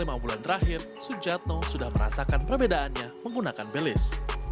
selama lima bulan terakhir sujatno sudah merasakan perbedaannya menggunakan belis